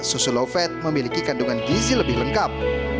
susu low fat memiliki kandungan gizi lebih lengkap